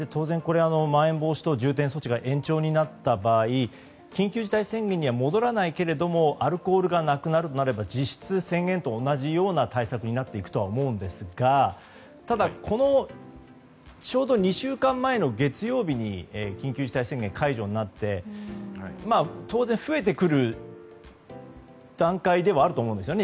まん延防止等重点措置が延期になった場合緊急事態宣言には戻らないけれどもアルコールがなくなるまでの実質宣言と同じような対策になっていくとは思うんですがただ、ちょうど２週間前の月曜日に緊急事態宣言が解除になって当然、増えてくる段階ではあると思うんですよね。